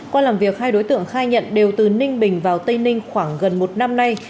qua làm việc hai đối tượng khai nhận đều từ ninh bình vào tây ninh khoảng gần một năm nay